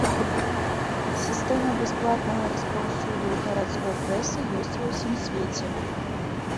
Сістэма бясплатнага распаўсюду гарадской прэсы ёсць ва ўсім свеце.